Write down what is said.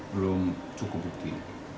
belum cukup bukti